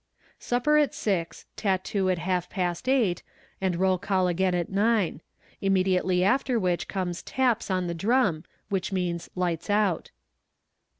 Supper at six, tattoo at half past eight, and roll call again at nine; immediately after which comes "taps" on the drum, which means "lights out."